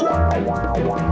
kenapa ribup stitch up kan